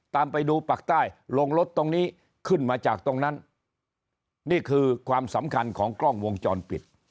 ตามไปดูปากใต้ลงรถตรงนี้ขึ้นมาจากตรงนั้นนี่คือความสำคัญของกล้องวงจรปิด